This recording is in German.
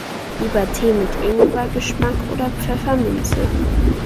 Lieber Tee mit Ingwer-Geschmack oder Pfefferminze?